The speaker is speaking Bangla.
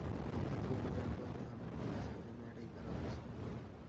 একটি থিওরি দাঁড় করাতে ধর্মগ্রন্থের সাহায্য নেয়াটাই তাঁর অপছন্দ।